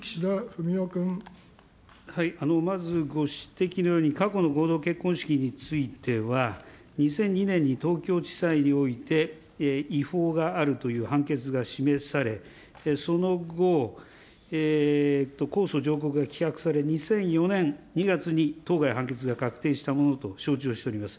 まずご指摘のように、過去の合同結婚式については、２００２年に東京地裁において違法があるという判決が示され、その後、控訴、上告が棄却され、２００４年２月に当該判決が確定したものと承知をしております。